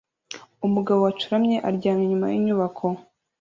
Umugabo wacuramye aryamye inyuma yinyubako